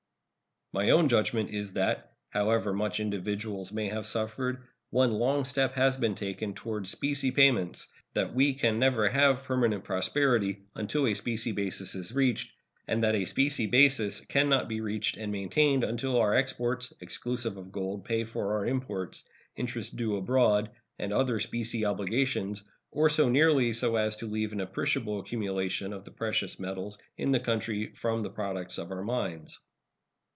My own judgment is that, however much individuals may have suffered, one long step has been taken toward specie payments; that we can never have permanent prosperity until a specie basis is reached: and that a specie basis can not be reached and maintained until our exports, exclusive of gold, pay for our imports, interest due abroad, and other specie obligations, or so nearly so as to leave an appreciable accumulation of the precious metals in the country from the products of our mines.